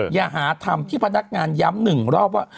อย่าหาทำที่พนักงานย้ำหนึ่งรอบว่า